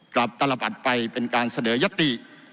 กลับตลบัดไปเป็นการเสนอยติ